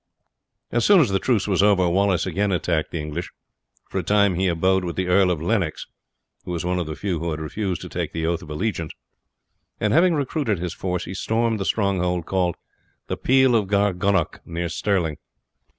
As soon as the truce was over Wallace again attacked the English. For a time he abode with the Earl of Lennox, who was one of the few who had refused to take the oath of allegiance, and having recruited his force, he stormed the stronghold called the Peel of Gargunnock, near Stirling.